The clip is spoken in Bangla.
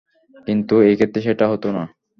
কিন্তু এইক্ষেত্রে সেটা হতো না।